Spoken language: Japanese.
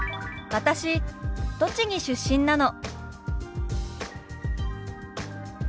「私栃木出身なの」。